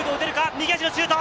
右足のシュート！